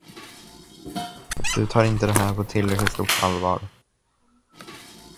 Du tar inte det här på tillräckligt stort allvar.